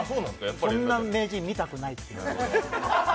そんな名人見たくないって。